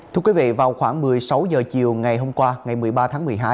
thưa quý vị vào khoảng một mươi sáu h chiều ngày hôm qua ngày một mươi ba tháng một mươi hai